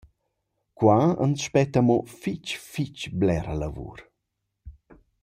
Qua ans spetta amo fich fich blera lavur.